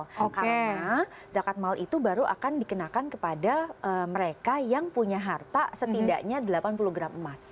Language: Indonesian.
karena zakat maul itu baru akan dikenakan kepada mereka yang punya harta setidaknya delapan puluh gram emas